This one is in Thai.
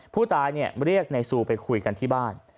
ผู้ตายเรียกนายซูไปคุยกันที่บ้าน